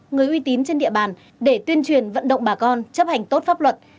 người uy tín trên địa bàn để tuyên truyền vận động bà con chấp hành tốt pháp luật